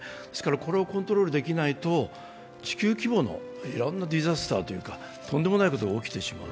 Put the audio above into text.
これをコントロールできないと地球規模のデザスターというかとんでもないことが起きてしまう。